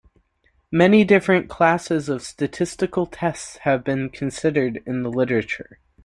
Many different classes of statistical tests have been considered in the literature.